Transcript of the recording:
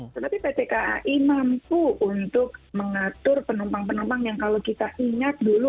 tetapi pt kai mampu untuk mengatur penumpang penumpang yang kalau kita ingat dulu